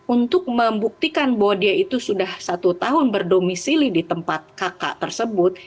untuk membuktikan bahwa dia itu sudah satu tahun berdomisili di tempat kakak tersebut